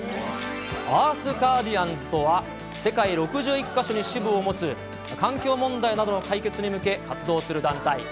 アースガーディアンズとは、世界６１か所に支部を持つ環境問題などの解決に向け、活動する団体。